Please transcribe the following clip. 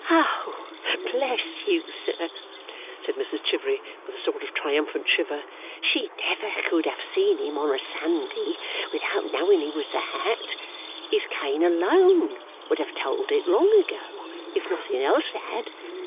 'Oh! bless you, sir,' said Mrs Chivery, with a sort of triumphant shiver, 'she never could have seen him on a Sunday without knowing he was that. His cane alone would have told it long ago, if nothing else had.